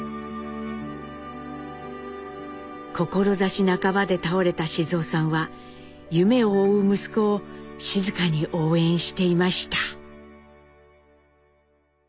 志半ばで倒れた雄さんは夢を追う息子を静かに応援していました。